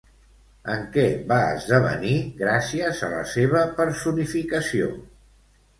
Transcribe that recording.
En què va esdevenir gràcies a la seva personificació?